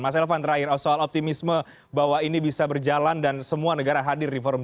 mas elvan terakhir soal optimisme bahwa ini bisa berjalan dan semua negara hadir reform g dua puluh